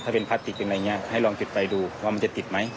ถ้าเป็นพลาสติกเป็นอะไรอย่างนี้ให้ลองติดไฟดูว่ามันจะติดไหม